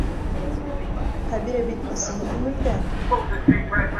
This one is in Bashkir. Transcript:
Хәбирә бит ысын күңелдән!